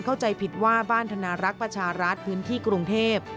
เข้าใจผิดว่าบ้านธนารักษ์ประชารัฐพื้นที่กรุงเทพ